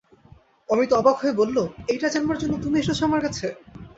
অমিতা অবাক হয়ে বলল, এইটি জানবার জন্যে তুমি এসেছ আমার কাছে?